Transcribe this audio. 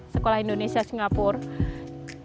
sekolah indonesia singapura